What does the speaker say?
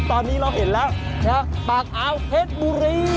ตอนนี้เราเห็นแล้วนะครับปากอาวเทศบุรี